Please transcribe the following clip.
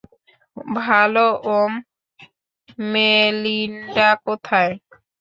ভালো উম, মেলিন্ডা কোথায়?